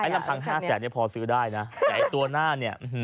ไอ้ลำพัง๕แสนพอซื้อได้นะแต่ตัวหน้าเนี่ย